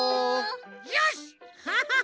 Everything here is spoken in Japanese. よしハハハ！